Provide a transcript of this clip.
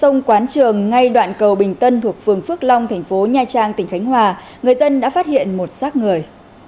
ngay đoạn cầu bình tân thuộc phường phước long thành phố nha trang tỉnh khánh hòa người dân đã phát hiện một sát người